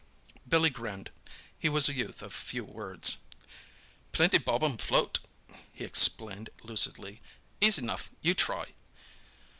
Billy grinned. He was a youth of few words. "Plenty bob um float," he explained lucidly. "Easy 'nuff. You try."